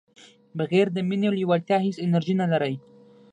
بغیر د مینې او لیوالتیا هیڅ انرژي نه لرئ.